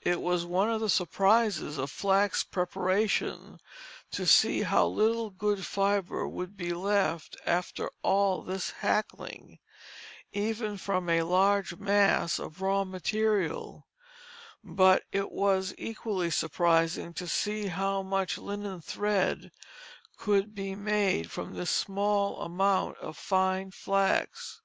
It was one of the surprises of flax preparation to see how little good fibre would be left after all this hackling, even from a large mass of raw material, but it was equally surprising to see how much linen thread could be made from this small amount of fine flax.